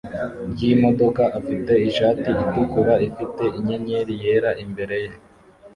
ryimodoka afite ishati itukura ifite inyenyeri yera imbere ye